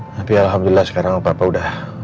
tapi alhamdulillah sekarang bapak udah